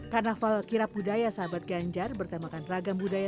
karena falkira budaya sahabat ganjar bertemakan ragam budaya